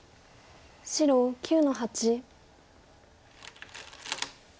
白９の八。